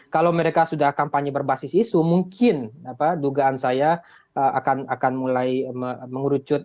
kalau mereka sudah kampanye berbasis isu mungkin dugaan saya akan mulai mengerucut